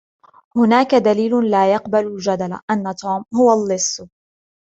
هناك دليل لا يقبل الجدل أن توم هو اللص.